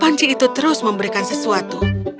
panci itu terus memberikan sesuatu